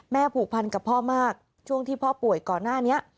ผูกพันกับพ่อมากช่วงที่พ่อป่วยก่อนหน้านี้